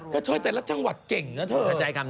ก็ช่วยแต่ละจังหวัดเก่งนะเถอะ